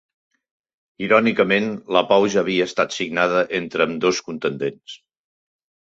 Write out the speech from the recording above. Irònicament, la pau ja havia estat signada entre ambdós contendents.